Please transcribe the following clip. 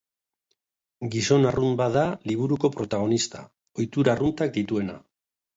Gizon arrunt bat da liburuko protagonista, ohitura arruntak dituena.